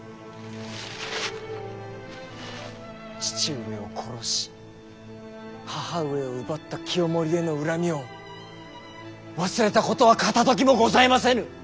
父上を殺し母上を奪った清盛への恨みを忘れたことは片ときもございませぬ。